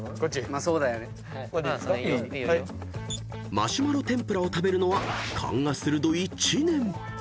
［マシュマロ天ぷらを食べるのは勘が鋭い知念］